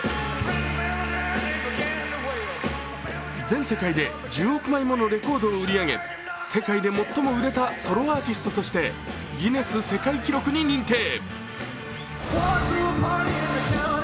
全世界で１０億枚ものレコードを売り上げ世界で最も売れたソロアーティストとしてギネス世界記録に認定。